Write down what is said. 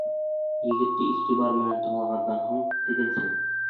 Егетте иғтибар менән тыңлағандан һуң, тегенсе: